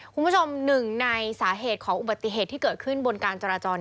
คุณผู้ชมหนึ่งในสาเหตุของอุบัติเหตุที่เกิดขึ้นบนการจราจร